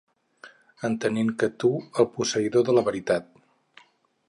Entenent que tu el posseïdor de la veritat.